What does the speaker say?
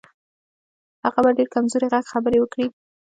هغه په ډېر کمزوري غږ خبرې وکړې.